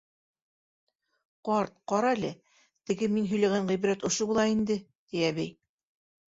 — Ҡарт, ҡара әле, теге мин һөйләгән ғибрәт ошо була инде, — ти әбей.